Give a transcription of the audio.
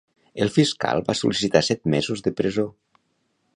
El fiscal va sol·licitar set mesos de presó.